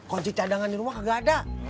kunci cadangan di rumah gak ada